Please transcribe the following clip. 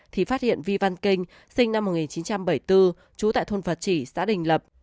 thì phát hiện vi văn kinh sinh năm một nghìn chín trăm bảy mươi bốn trú tại thôn phật chỉ xã đình lập